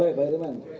boleh pak herimen